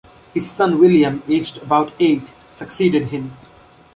His son William, aged about eight, succeeded him.